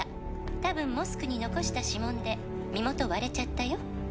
「たぶんモスクに残した指紋で身元割れちゃったよ」